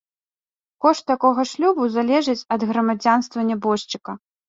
Кошт такога шлюбу залежыць ад грамадзянства нябожчыка.